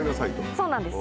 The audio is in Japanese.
そうなんです。